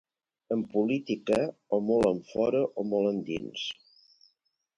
En política, o molt enfora o molt endins.